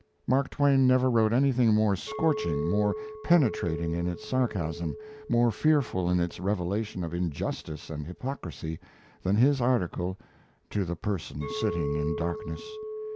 Mark Twain never wrote anything more scorching, more penetrating in its sarcasm, more fearful in its revelation of injustice and hypocrisy, than his article "To the Person Sitting in Darkness."